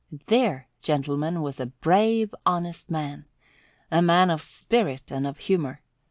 There, gentlemen, was a brave, honest man! A man of spirit and of a humour!